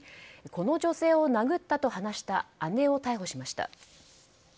この女性を殴ったと話した姉を逮捕しました。